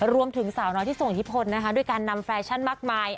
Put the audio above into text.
รวมถึงสาวน้อยที่ส่งอิทธิพลนะคะด้วยการนำแฟชั่นมากมาย